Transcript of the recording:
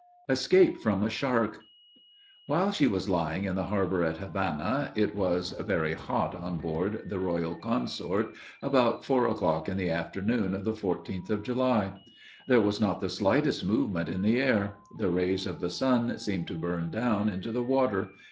ESCAPE FROM A SHARK. While she was lying in the harbor at Havana, it was very hot on board the Royal Consort, about four o'clock in the afternoon of the 14th of July. There was not the slightest movement in the air; the rays of the sun seemed to burn down into the water.